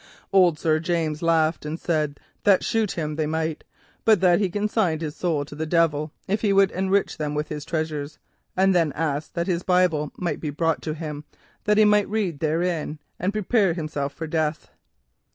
"Old Sir James laughed, and said that shoot him they might, but that he consigned his soul to the Devil if he would enrich them with his treasures, and then asked that his Bible might be brought to him that he might read therein and prepare himself for death.